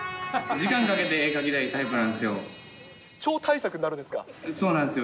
時間かけて絵描きたいタイプなんですよ。